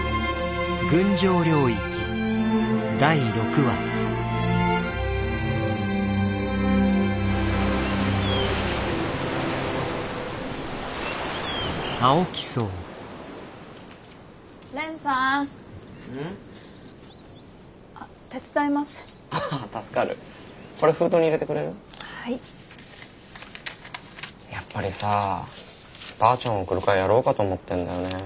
やっぱりさばあちゃんを送る会やろうかと思ってんだよね。